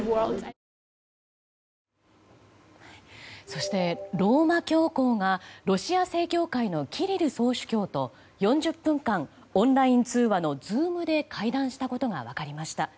そして、ローマ教皇がロシア正教会のキリル総主教と４０分間、オンライン通話のＺｏｏｍで会談したことが分かりました。